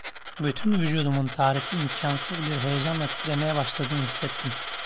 Bütün vücudumun tarifi imkânsız bir heyecanla titremeye başladığını hissettim.